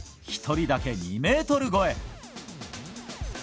１人だけ２ｍ超え。